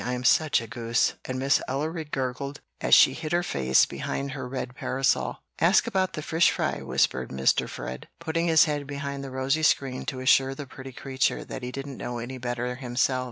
I am SUCH a goose;" and Miss Ellery gurgled as she hid her face behind her red parasol. "Ask about the fish fry," whispered Mr. Fred, putting his head behind the rosy screen to assure the pretty creature that he didn't know any better himself.